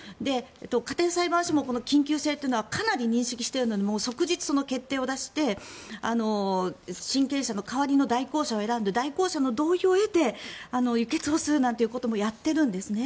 家庭裁判所も緊急性というのは認識しているので即日出して親権者の代わりの代行者を選んで代行者の同意を得て輸血をするなんてこともやってるんですね。